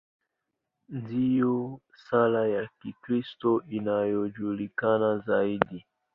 Ndiyo sala ya Kikristo inayojulikana zaidi.